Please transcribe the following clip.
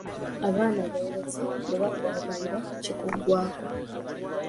Abaana b’oleze bwe bakwabulira kikuggwaako.